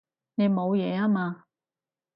你冇嘢啊嘛？